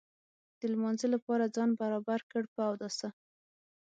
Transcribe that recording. د لمانځه لپاره ځان برابر کړ په اوداسه.